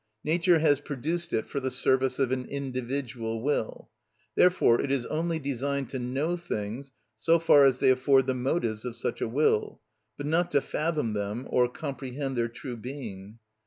Nature has produced it for the service of an individual will. Therefore it is only designed to know things so far as they afford the motives of such a will, but not to fathom them or comprehend their true being.